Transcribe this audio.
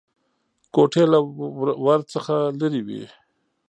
کوټې له ور څخه لرې وې.